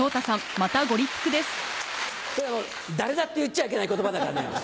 それは誰だって言っちゃいけない言葉だからね。